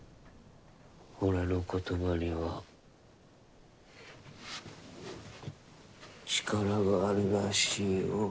俺の言葉には力があるらしいよ。